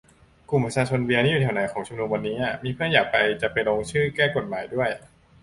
กลุ่ม ประชาชนเบียร์ นี่อยู่แถวไหนของที่ชุมนุมวันนี้อะ มีเพื่อนอยากไป จะไปลงชื่อแก้กฎหมายด้วย